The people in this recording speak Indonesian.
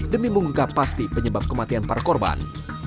demi mengungkap pasti penyebab kematian para korban